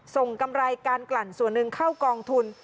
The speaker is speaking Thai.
กำไรการกลั่นส่วนหนึ่งเข้ากองทุน